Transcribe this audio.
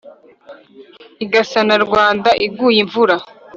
Igasa na Rwanda iguye imvura